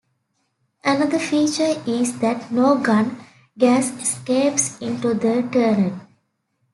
Another feature is that no gun gas escapes into the turret.